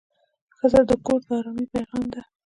ښځه د کور د ارامۍ پېغام ده.